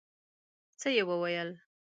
څه يې وويل.